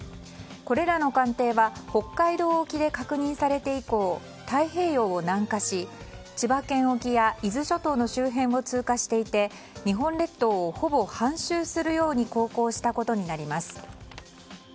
これらの艦艇は北海道沖で確認されて以降太平洋を南下し千葉県沖や伊豆諸島の周辺を通過していて日本列島をほぼ半周するように航行したことになります。